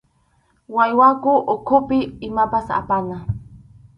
Wallwakʼu ukhupi imapas apana.